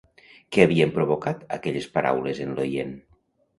Què havien provocat aquelles paraules en l'oient?